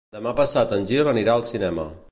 Demà passat en Gil anirà al cinema.